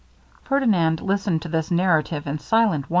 Ferdinand listened to this narrative in silent wonder!